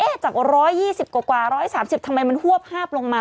จาก๑๒๐กว่า๑๓๐ทำไมมันฮวบฮาบลงมา